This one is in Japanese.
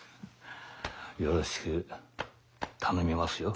よろしく頼みますよ。